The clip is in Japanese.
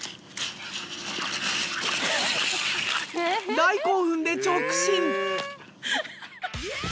大興奮で直進！